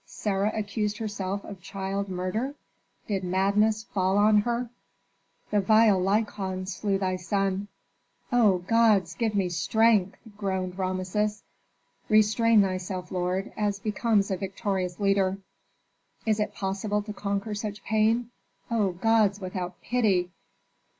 "Sarah accused herself of child murder? Did madness fall on her?" "The vile Lykon slew thy son." "O gods give me strength!" groaned Rameses. "Restrain thyself, lord, as becomes a victorious leader." "Is it possible to conquer such pain? O gods without pity!"